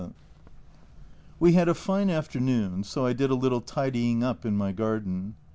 We had a fine afternoon, so I did a little tidying up in my garden.